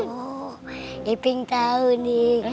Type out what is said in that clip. oh iping tau nih